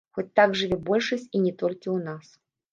Хоць так жыве большасць, і не толькі ў нас.